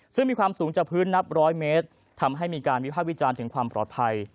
ซึ่งมีความสูงจากพื้นนับร้อยเมตรทำให้มีการวิภาควิจารณ์ถึงความปลอดภัย